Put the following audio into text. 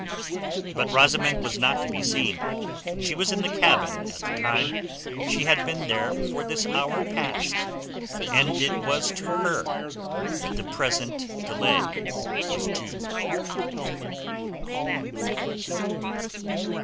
But Rosamund was not to be seen. She was in the cabin at the time. She had been there for this hour past, and it was to her that the present delay was due.